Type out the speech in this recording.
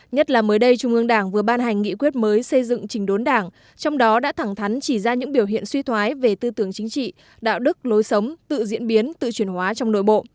nhất là mới đây trung ương đảng vừa ban hành nghị quyết mới xây dựng trình đốn đảng trong đó đã thẳng thắn chỉ ra những biểu hiện suy thoái về tư tưởng chính trị đạo đức lối sống tự diễn biến tự chuyển hóa trong nội bộ